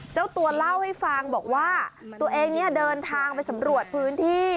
เจ้าตัวเล่าให้ฟังบอกว่าตัวเองเนี่ยเดินทางไปสำรวจพื้นที่